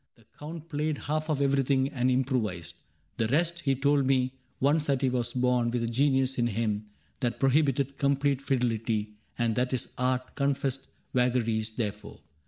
The Count Played half of everything and * improvised * The rest : he told me once that he was born With a genius in him that ^ prohibited Complete fidelity,* and that his art ^ Confessed vagaries,' therefore.